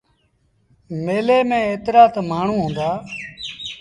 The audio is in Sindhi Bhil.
ميلي ميݩ ايترآ تا مآڻهوٚݩ هُݩدآ۔